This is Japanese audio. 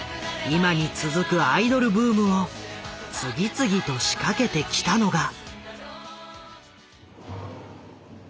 今に続くアイドルブームを次々と仕掛けてきたのが。